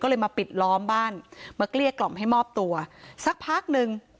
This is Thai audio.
ก็เลยมาปิดล้อมบ้านมาเกลี้ยกล่อมให้มอบตัวสักพักหนึ่ง